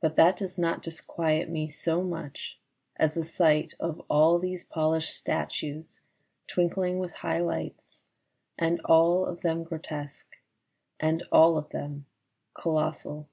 But that does not disquiet me so much as the sight of all these polished statues twinkling with high lights and all of them grotesque and all of them colossal.